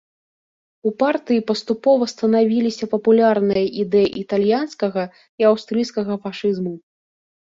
У партыі паступова станавіліся папулярныя ідэі італьянскага і аўстрыйскага фашызму.